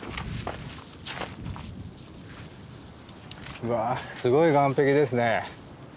うわすごい岩壁ですね。